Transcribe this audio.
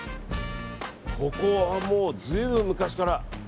ここはもう、随分昔から。